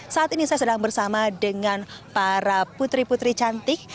saat ini saya sedang bersama dengan para putri putri cantik